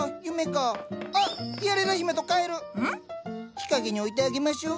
日陰に置いてあげましょう。